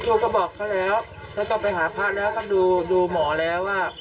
ลูกก็บอกเขาแล้วแล้วก็ไปหาพระแล้วก็ดูหมอแล้วว่า